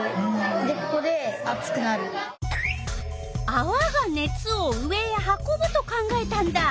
あわが熱を上へ運ぶと考えたんだ。